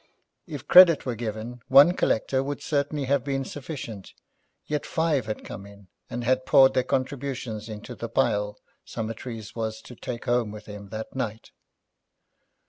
If credit were given, one collector would certainly have been sufficient, yet five had come in, and had poured their contributions into the pile Summertrees was to take home with him that night.